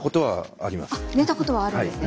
あ寝たことはあるんですね。